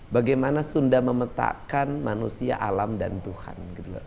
bagaimana sunda memetakkan manusia alam dan tuhan